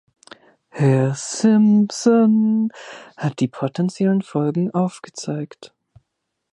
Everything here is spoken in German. Herr Simpson hat die potenziellen Folgen aufgezeigt.